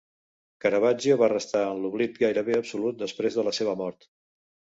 Caravaggio va restar en l'oblit gairebé absolut després de la seva mort.